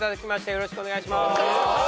よろしくお願いします。